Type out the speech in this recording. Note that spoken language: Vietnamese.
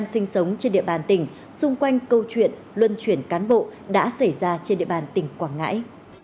sinh sống trên địa bàn tỉnh xung quanh câu chuyện luân chuyển cán bộ đã xảy ra trên địa bàn tỉnh quảng ngãi